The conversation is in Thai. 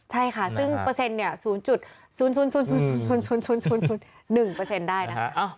ใช่ค่ะซึ่งเปอร์เซ็นต์๐๐๐๐๐๐๐๐๐๑เปอร์เซ็นต์ได้นะครับ